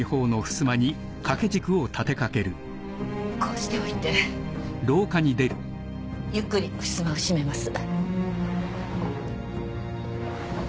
こうしておいてゆっくりふすまを閉めます。